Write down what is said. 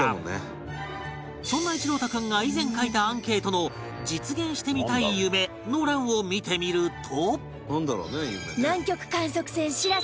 そんな一朗太君が以前書いたアンケートの実現してみたい夢の欄を見てみると